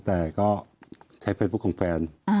แต่ก็ใช้เฟซบุ๊คของแฟน